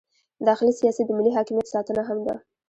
داخلي سیاست د ملي حاکمیت ساتنه هم ده.